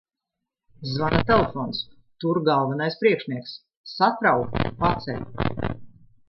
Zvana telefons, tur galvenais priekšnieks. Satraukta paceļu.